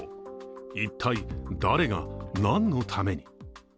一体、誰が、何のために？